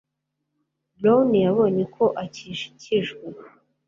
Brown yabonye ko akikijwe